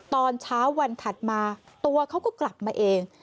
ตอนเช้าวันถัดมาตัวเขาก็กลับมาเอง